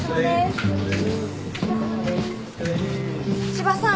千葉さん